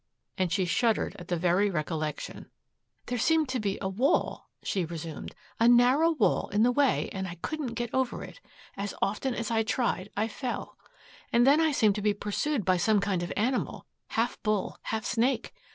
and she shuddered at the very recollection. "There seemed to be a wall," she resumed, "a narrow wall in the way and I couldn't get over it. As often as I tried, I fell. And then I seemed to be pursued by some kind of animal, half bull, half snake.